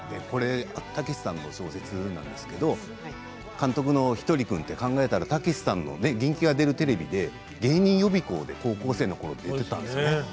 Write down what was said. たけしさんの小説なんですけれど監督のひとり君、考えたらたけしさんが「元気が出るテレビ」で芸人予備校で、高校生のとき出ていたんですよね。